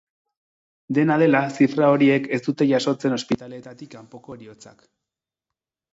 Dena dela, zifra horiek ez dute jasotzen ospitaleetatik kanpoko heriotzak.